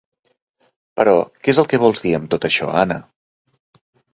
Però, què es el que vols dir amb tot això, Anna?